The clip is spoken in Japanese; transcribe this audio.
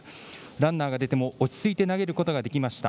ランナーが出ても落ち着いて対応できました。